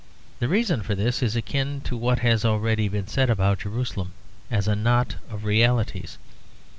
The reason for this is akin to what has already been said about Jerusalem as a knot of realities.